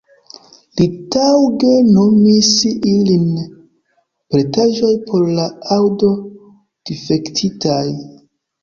Li taŭge nomis ilin "Pentraĵoj por la Aŭdo-Difektitaj.